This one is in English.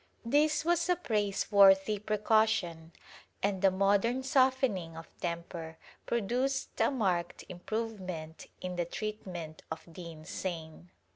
This was a praiseworthy precaution, and the modern softening of temper produced a marked improvement in the treatment of the insane.